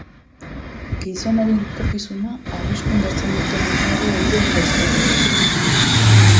Gizonaren etorkizuna arriskuan jartzen duten uneoro euren gaiztakeriekin.